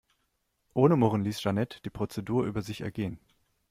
Ohne Murren ließ Jeanette die Prozedur über sich ergehen.